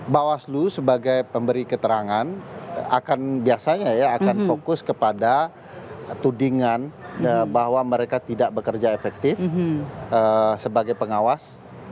bawaslu sebagai pemberi keterangan akan biasanya ya akan fokus kepada tudingan bahwa mereka tidak bekerja efektif sebagai pengawas